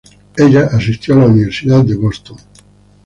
Ella asistió a la Universidad de Boston.